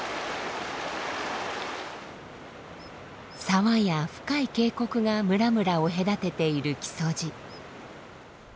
沢や深い渓谷が村々を隔てている木曽路。